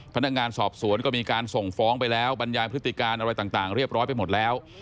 พนักงานสอบสวนก็มีการส่งฟ้องไปแล้วบรรยายพฤติการอะไรต่างเรียบร้อยไปหมดแล้ว